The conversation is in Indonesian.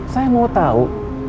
saya mau tau